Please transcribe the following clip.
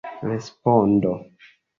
respondo